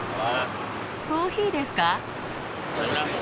コーヒーですか？